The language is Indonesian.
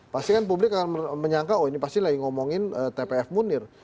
pasti kan publik akan menyangka oh ini pasti lagi ngomongin tpf munir